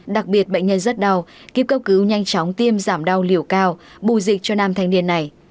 đặc biệt bệnh nhân rất đau kíp cấp cứu nhanh chóng tiêm giảm đau liều cao bù dịch cho nam thanh niên này